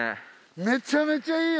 めちゃめちゃいいよ。